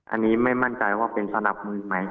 อันนี้ไม่มั่นใจว่าเป็นสนับมือไหม